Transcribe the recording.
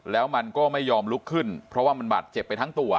แล้วมันก็ไม่ยอมลุกขึ้นเพราะว่ามันบาดเจ็บไปทั้งตัว